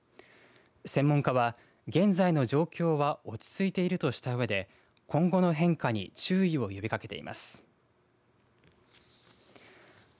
専門家は、現在の状況は落ち着いているとしたうえで今後の変化に注意を呼びかけています。